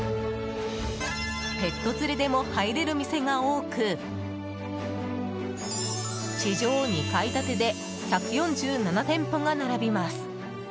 ペット連れでも入れる店が多く地上２階建てで１４７店舗が並びます。